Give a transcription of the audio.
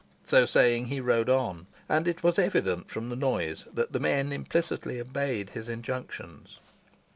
So saying, he rode on, and it was evident from the noise, that the men implicitly obeyed his injunctions.